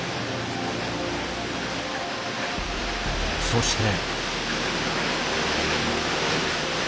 そして。